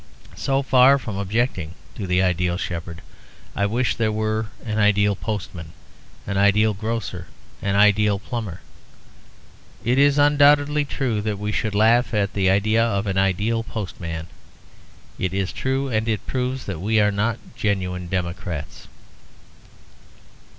So far from objecting to the Ideal Shepherd, I wish there were an Ideal Postman, an Ideal Grocer, and an Ideal Plumber. It is undoubtedly true that we should laugh at the idea of an Ideal Postman; it is true, and it proves that we are not genuine democrats.